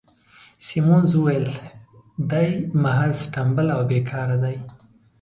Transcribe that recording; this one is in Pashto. سیمونز وویل: دی محض ټمبل او بې کاره دی.